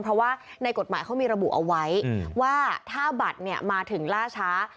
เพราะว่าในกฎหมายเขามีระบุเอาไว้ว่าถ้าบัตรมาถึงล่าช้า